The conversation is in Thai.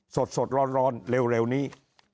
สดร้อนเร็วนี้